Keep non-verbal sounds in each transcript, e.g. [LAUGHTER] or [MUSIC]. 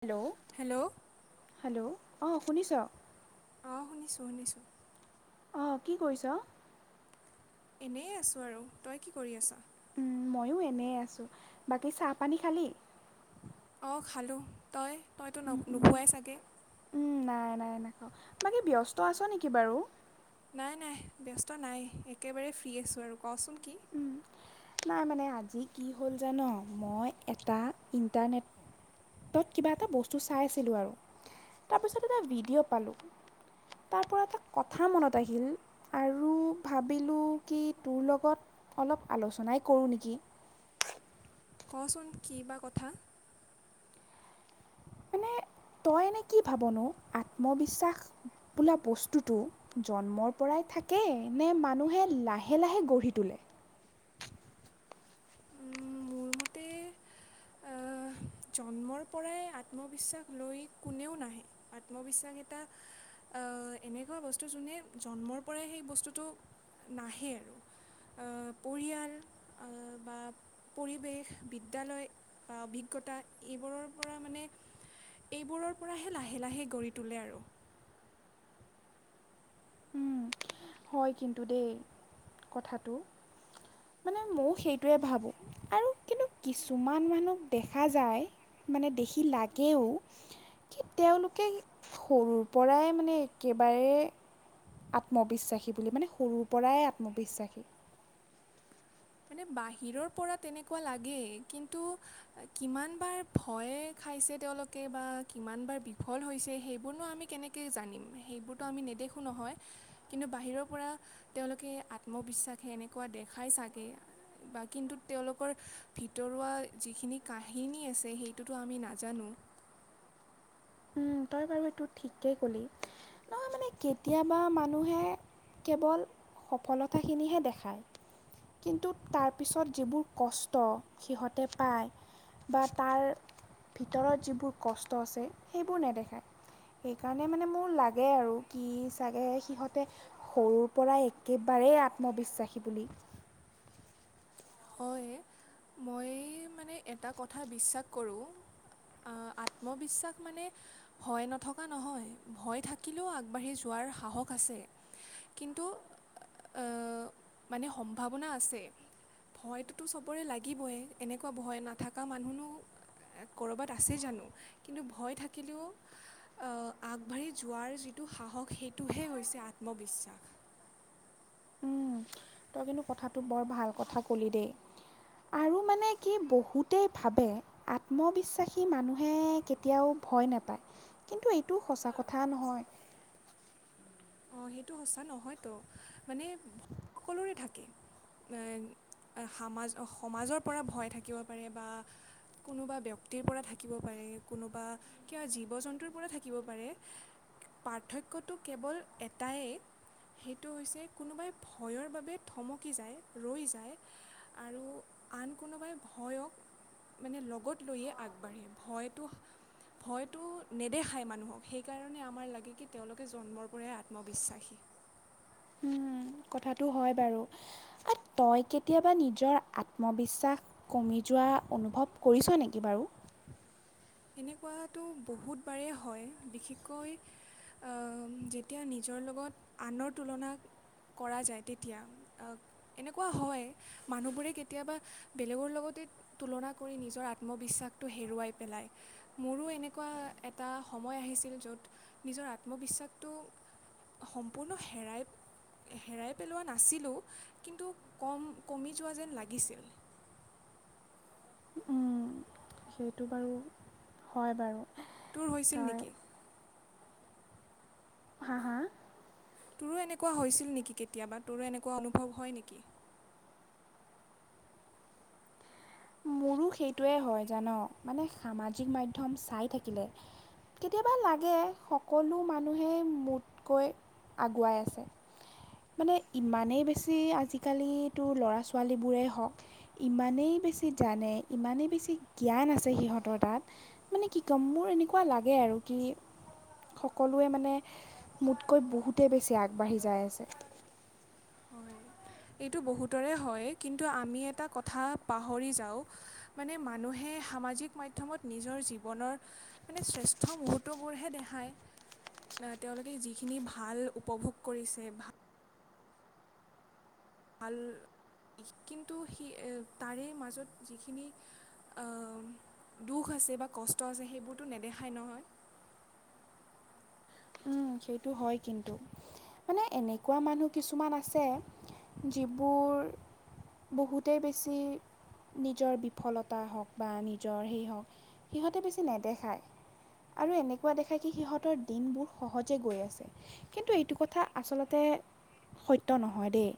Hello, - hello, অ, শুনিছ। অ, শুনিছো - শুনিছো। অ, কি কৰিছ? এনেই আছো আৰু তই কি কৰি আছ? ময়ো এনেই আছো বাকী চাহপানী খালী অ, খালো তই তইতো ন উম, উম, নোখোৱাই চাগে। নাই- নাই নাখাও বাকী ব্যস্ত আছ নেকি বাৰু। নাই- নাই ব্যস্ত নাই একেবাৰে ফ্ৰী আছো আৰু কচোন কি? উম, নাই মানে আজি কি হ'ল জান মই এটা ইণ্টাৰনেট তত কিবা এটা বস্তু চাই আছিলো আৰু তাৰপিছত এটা ভিডিঅ' পালো। তাৰ পৰা এটা কথা মনত আহিল আৰু ভাবিলো কি তোৰ লগত অলপ আলোচনাই কৰো নেকি? কচোন কি বা কথা? মানে? তই এনে কি ভাবনো আত্মবিশ্বাস বোলা বস্তুটো জন্মৰ পৰাই থাকে নে মানুহে লাহে- লাহে গঢ়ি তোলে। উম, মোৰ মতে আহ, জন্মৰ পৰাই আত্মবিশ্বাস লৈ কোনেও নাহে আত্মবিশ্বাস এটা এনেকুৱা বস্তু যোনে জন্মৰ পৰাই সেই বস্তুটো নাহে আৰু। আ, পৰিয়াল আ, বা পৰিৱেশ বিদ্যালয় বা অভিজ্ঞতা এইবোৰৰ পৰা মানে এইবোৰৰ পৰাহে লাহে - লাহে গঢ়ি তোলে আৰু। হয় কিন্তু দেই কথাটো। মানে ময়ও সেইটোৱে ভাবো আৰু কিন্তু কিছুমান মানুহক দেখা যায়। মানে দেখি লাগেও কি তেওঁলোকে সৰুৰ পৰাই মানে একেবাৰে আত্মবিশ্বাসী বুলি মানে সৰুৰ পৰাই আত্মবিশ্বাসী। মানে বাহিৰৰ পৰা তেনেকুৱা লাগেই কিন্তু কিমান বাৰ ভয় খা খাইছে তেওলোকে বা কিমান বাৰ বিফল হৈছে সেইবোৰ ন আমি কেনেকে জানিম সেইবোৰতো আমি নেদেখো। একো নহয় কিন্তু বাহিৰৰ পৰা তেওঁলোকে আত্মবিশ্বাসী এনেকুৱা দেখাই চাগে। বা কিন্তু তেওঁলোকৰ ভিতৰুৱা যিখিনি কাহিনী আছে সেইটোতো আমি নাজানো। নাজানো। [INAUDIBLE] তই বাৰু সেইটো ঠিকেই ক'লি নহয় মানে কেতিয়াবা মানুহে কেৱল সফলতাখিনিহে দেখায়। কিন্তু তাৰপিছত যিবোৰ কষ্ট সিহঁতে পায়। বা তাৰ ভিতৰত যিবোৰ কষ্ট আছে সেইবোৰ নেদেখায়। সেইকাৰণে মানে মোৰ লাগে আৰু কি চাগে সিহঁতে সৰুৰ পৰা একেবাৰে ৰে আত্মবিশ্বাসী বুলি। হয় মই [UNINTELLIGIBLE] মানে এটা কথা বিশ্বাস কৰো। আ আত্মবিশ্বাস মানে ভয় নথকা নহয়। ভয় থাকিলেও আগবাঢ়ি যোৱা। আৰু সাহস আছে কিন্তু আহ মানে সম্ভাৱনা আছে ভয়টোতো সবৰে লাগিবয়ে এনেকুৱা ভয় নাথকা মানুহনো কৰবাত আছে জানো কিন্তু ভয় থাকিলেও আগবাঢ়ি যোৱাৰ যিটো সাহস সেইটোহে হৈছে আত্মবিশ্বাস [UNINTELLIGIBLE] তই কিন্তু কথাটো বৰ ভাল কথা ক'লি দেই আৰু মানে কি বহুতেই ভাবে আত্মবিশ্বাসী মানুহে কেতিয়াও ভয় নাপায় কিন্তু এইটো সঁচা কথা নহয় অ' সেইটো সঁচা নহয়তো মানে সকলোৰে থাকে এ সামাজ সমাজৰ পৰা ভয় থাকিব পাৰে বা কোনোবা ব্যক্তিৰ পৰা থাকিব পাৰে কোনোবা কিবা জীৱ জন্তুৰ পৰা থাকিব পাৰে পাৰ্থক্যটো কেৱল এটায়েই সেইটো হৈছে কোনোবাই ভয়ৰ বাবে থমকি যায় ৰৈ যায় আৰু আন কোনোবাই ভয়ক মানে লগত লৈয়ে আগবাঢ়ে ভয়টো ভয়তো নেদেখায় মানুহক সেইকাৰণে আমাৰ লাগে কি তেওঁলোকে জন্মৰ পৰাই আ আত্মবিশ্বাসী, উম, কথাটো হয় বাৰু আৰু তই কেতিয়াবা নিজৰ আত্মবিশ্বাস কমি। যোৱা অনুভৱ কৰিছ নেকি বাৰু এনেকুৱটো বহুতবাৰ হয় বিশেষকৈ নিজৰ লগত আনৰ তুলনাত কৰা যায় তেতিয়া এনেকুৱা হয় মানুহবোৰে কেতিয়াবা বেলেগৰ লগত তুলনা কৰি নিজৰ আত্মবিশ্বাসটো হেৰুৱাই পেলায় মোৰো এনেকুৱা এটা সময় আহিছিল য'ত নিজৰ আত্মবিশ্বাসটো। সম্পূৰ্ণ হেৰাই। হেৰাই পেলোৱা নাছিলোঁ কিন্তু কম কমি যোৱা যেন লাগিছিল। [UNINTELLIGIBLE] উম, সেইটো বাৰু হয় বাৰু তোৰ হৈছিল তই নেকি। হা- হা তোৰো এনেকুৱা হৈছিল নেকি কেতিয়াবা তোৰো এনেকুৱা অনুভৱ হয় নেকি? মোৰো সেইটোৱেই হয় জান মানে সামাজিক মাধ্যম চাই থাকিলে। কেতিয়াবা লাগে সকলো মানুহেই মোতকৈ আগুৱাই আছে। মানে ইমানেই বেছি আজিকালি ল'ৰা ছোৱালীবোৰেই হওক ইমানেই বেছি। জানে ইমানেই বেছি জ্ঞান আছে সিহঁতৰ তাত মানে কি ক'ম মোৰ এনেকুৱা লাগে আৰু কি? সকলোৱে মানে মোতকৈ বহুতেই বেছি আগবাঢ়ি যায় আছে। হয় এইটো বহুতৰে হয় কিন্তু আমি এটা কথা পাহৰি যাওঁ মানে মানুহে। সামাজিক মাধ্যমত নিজৰ জীৱনৰ মানে শ্ৰেষ্ঠ মুহূৰ্তবোৰহে দেখায়। না তেওঁলোকে যিখিনি ভাল উপভোগ কৰিছে ভাল ভাল কিন্তু সি তাৰে মাজত যিখিনি আহ দুখ আছে বা কষ্ট আছে সেইবোৰতো নেদেখাই নহয় [UNINTELLIGIBLE] সেইটো হয় কিন্তু মানে এনেকুৱা মানুহ কিছুমান আছে যিবোৰ বহুতেই বেছি নিজৰ বিফলতা হওক বা নিজৰ সেই হওক সিহঁতে বেছি নেদেখায় আৰু এনেকুৱা দেখা কি সিহঁতৰ দিনবোৰ সহজে গৈ আছে কিন্তু এইটো কথা আচলতে সত্য নহয় দেই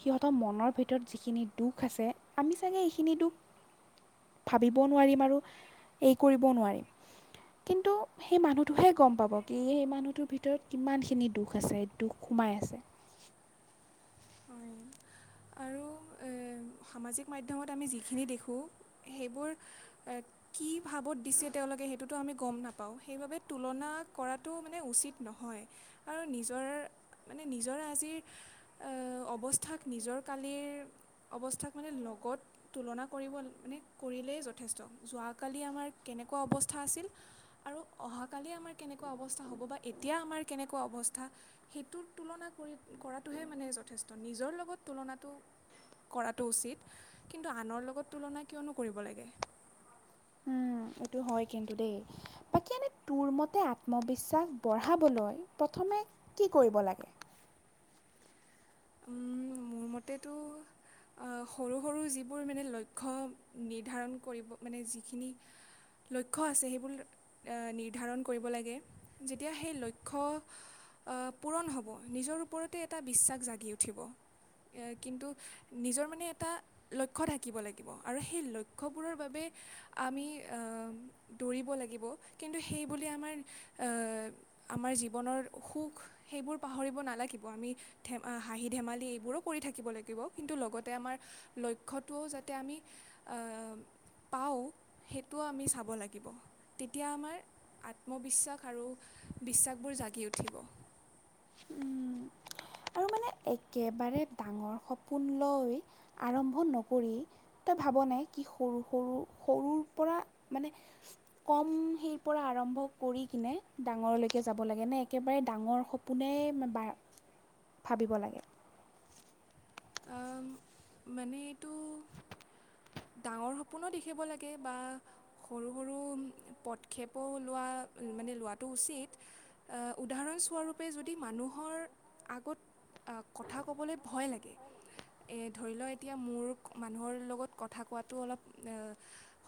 সিহঁতৰ মনৰ ভিতৰত যিখিনি দুখ আছে আমি চাগে এইখিনি দুখ ভাবিব নোৱাৰিম আৰু এই কৰিব নোৱাৰিম কিন্তু সেই মানুহটোোহে গম পাব কি এই মান [UNINTELLIGIBLE] ভিতৰত কিমানখিনি দুখ আছে, দুখ সোমাই আছে। হয়, আৰু এ সামাজিক মাধ্যমত আমি যিখিনি দেখোঁ, সেইবোৰ কি ভাৱত দিছে তেওঁলোকে সেইটোতো আমি গম নাপাওঁ, সেইবাবে তুলনা কৰাটো মানে উচিত নহয় আৰু [UNINTELLIGIBLE] মানে নিজৰ আজিৰ অ', অৱস্থাক নিজৰ কালিৰ অৱস্থাক মানে লগত তুলনা কৰিব মানে কৰিলে [UNINTELLIGIBLE] যথেষ্ট, যোৱাকালি আমাৰ কেনেকুৱা অৱস্থা আছিল আৰু অহাকালি আমাৰ কেনেকুৱা অৱ [UNINTELLIGIBLE] হ'ব বা এতিয়া আমাৰ কেনেকুৱা অৱস্থা, সেইটোৰ তুলনা কৰি কৰাটোহে মানে যথেষ্ট তো নিজৰ লগত তুলনাটো কৰাটো উচিত। কিন্তু আনৰ লগত তুলনা কিয়নো কৰিব লাগে। উম। এইটো হয় কিন্তু দেই। বাকী এনে তোৰ মতে আত্মবিশ্বাস বঢ়াবলৈ প্ৰথমে কি কৰিব লাগে? উম, মোৰ মতেটো আহ, সৰু সৰু যিবোৰ মানে লক্ষ্য নিৰ্ধাৰণ কৰিব, মানে যিখিনি লক্ষ্য আছে, সেইবোৰ নিৰ্ধাৰণ কৰিব লাগে, যেতিয়া সেই লক্ষ্য আহ পূৰণ হ'ব, নিজৰ ওপৰতে এটা বিশ্বাস জাগি উঠিব। কিন্তু, নিজৰ মানে এটা লক্ষ্য থাকিব লাগিব আৰু সেই লক্ষ্যবোৰৰ বাবে আমি আহ দৌৰিব লাগিব। কিন্তু সেইবুলি আমাৰ আমাৰ জীৱনৰ সুখ সেইবোৰ পাহৰিব নালাগিব, আমি ধেমা হাঁহি, ধেমালি এইবোৰো কৰি থাকিব লাগিব। কিন্তু, লগতে আমাৰ লক্ষ্যটোও যাতে আমি [INAUDIBLE] পাওঁ। সেইটোও আমি চাব লাগিব। তেতিয়া আমাৰ আত্মবিশ্বাস আৰু বিশ্বাসবোৰ জাগি উঠিব। উম। আৰু মানে একেবাৰে ডাঙৰ সপোন লৈ আৰম্ভ নকৰি তই ভাব নে কি সৰু সৰু সৰুৰ পৰা মানে কম সেই পৰা আৰম্ভ কৰি নে ডাঙৰলৈকে যাব লাগে নে একেবাৰে ডাঙৰ সপোনে ভাবিব লাগে। আহ মানে এইটো। ডাঙৰ সপোনো দেখিব লাগে বা সৰু সৰু পদক্ষেপো লোৱাত। মানে লোৱাটো উচিত। উদাহৰণস্বৰূপে যদি মানুহৰ আগত কথা ক'বলৈ ভয় লাগে। হয় নেকি? এই ধৰি লওঁক। এতিয়া মোৰ মানুহৰ লগত কথা কোৱাটো অলপ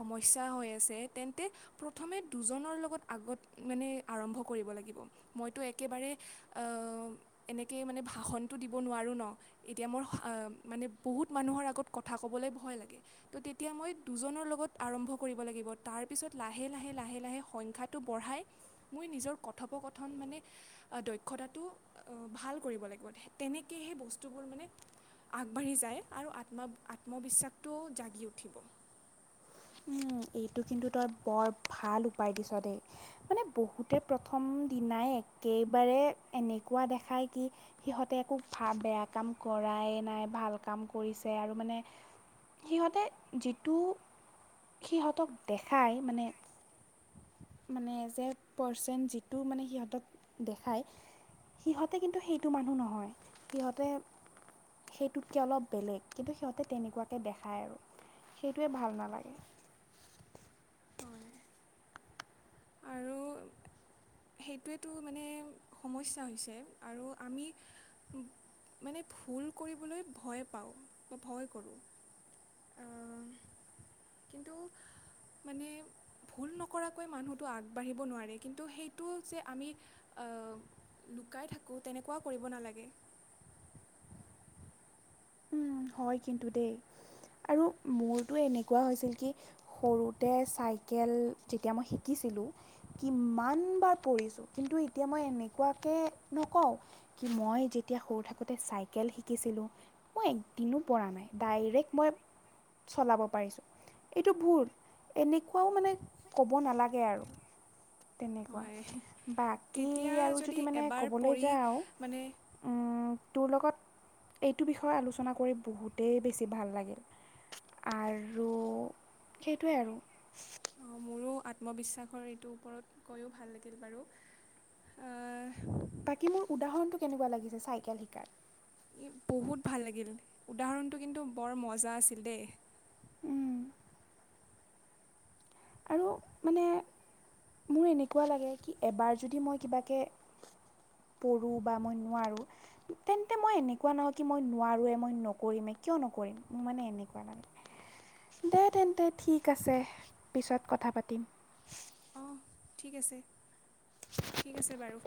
সমস্যা হয়। [UNINTELLIGIBLE] তেন্তে, প্ৰথমে দুজনৰ লগত আগত মানে আৰম্ভ কৰিব লাগিব, মইটো একেবাৰে আহ, এনেকৈ মানে ভাষণটো দিব নোৱাৰোঁ ন, এ [UNINTELLIGIBLE] মোৰ মানে, বহুত মানুহৰ আগত কথা ক'বলৈ ভয় লাগে, তো তেতিয়া মই দুজনৰ লগত আৰম্ভ কৰিব লাগিব, তাৰপাছত লাহে, লাহে, লাহে, লাহে, সংখ্যাটো বঢ়াই মই নিজৰ কথপ কথন মানে, দক্ষতাটো ভাল কৰিব লাগিব তেনেকহে সেই বস্তুবোৰ মানে আগবাঢ়ি যায় আৰু আত্ম-আত্মবিশ্বাসটোও জাগি উঠিব। উম, এইটো কিন্তু তই বৰ ভাল উপায় দিছ দেই, মানে বহুতে প্ৰথম দিনাই একেবাৰে এনেকুৱা দেখায় কি, সিহঁতে একো ভা, বেয়া কাম কৰ [UNINTELLIGIBLE] ভাল কাম কৰিছে, আৰু মানে সিহতে যিটো সিহঁতক দেখাই মানে মানে এজ এ পাৰ্চন যিটো মানে সিহঁতক দেখায় সিহঁতে কিন্তু সেইটো মানুহ নহয়, সিহঁতে সেইটোতকে অলপ বেলেগ, কিন্তু সিহঁতে তেনেকুৱাকে দেখায় আৰু। সেইটোৱে ভাল নালাগে। আৰু সেইটোৱেতো মানে সমস্যা হৈছে, আৰু আমি মানে ভুল কৰিবলৈ ভয় পাওঁ বা ভয় কৰো। [INAUDIBLE] কিন্তু মানে ভুল নকৰাকৈ মানুহতো আগবাঢ়িব নোৱাৰে কিন্তু সেই [UNINTELLIGIBLE] যে আমি লুকাই থাকো তেনেকুৱা কৰিব নালাগে। [INAUDIBLE] উম, হয় কিন্তু দেই। আৰু মোৰতো এনেকুৱা হৈছিল কি সৰুতে চাইকেল যেতিয়া মই শিকিছিলো। কিমান বাৰ পৰিছো কিন্তু এতিয়া মই এনেকুৱাকে নকও কিন্তু মই যেতিয়া সৰু থাকোঁতে চাইকেল শিকিছিলোঁ মই এক দিনো পৰা নাই ডাইৰেক্ট মই চলাব পাৰিছোঁ। এইটো ভুল এনেকুৱাও মানে ক'ব নালাগে আৰু। তেনেকুৱা। হয় বাকী তেতিয়া আৰু যদি মানে এবাৰ ক'বলৈ পৰি যাওঁ মানে তোৰ লগত এইটো বিষয়ে আলোচনা কৰি বহুতেই বেছি ভাল লাগিল আৰু সেইটোৱে আৰু। মোৰো আত্মবিশ্বাসৰ এইটোৰ ওপৰত কৈও ভাল লাগিল বাৰু। বাকী মোৰ উদাহৰণটো কেনেকুৱা লাগি চাইকেল শিকাৰ বহুত ভাল লাগিল, উদাহৰণটো কিন্তু বৰ মজা আছিল দেই। উম। আৰু মানে মোৰ এনেকুৱা লাগে কি এবাৰ যদি মই কিবাকে পঢ়ো বা মই নোৱাৰো তেন্তে মই এনেকুৱা নহয় কি মই নোৱাৰোৱে মই নকৰিমে কিয় কিয় নকৰিম মোৰ মানে এনেকুৱা লাগে দে তেন্তে ঠিক আছে। পিছত কথা পাতিম। অঁ ঠিক আছে, ঠিক আছে বাৰু।